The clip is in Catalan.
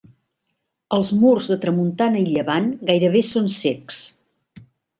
Els murs de tramuntana i llevant gairebé són cecs.